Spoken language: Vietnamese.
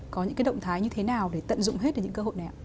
có những cái động thái như thế nào để tận dụng hết được những cơ hội này ạ